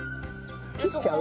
切っちゃう？